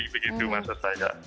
begitu maksud saya